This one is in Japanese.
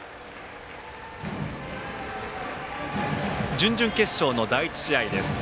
準々決勝の第１試合です。